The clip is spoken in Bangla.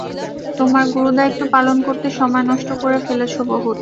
তোমরা গুরুদায়িত্ব পালন করতে সময় নষ্ট করে ফেলেছ বহুত।